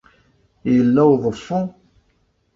Yella uḍeffu?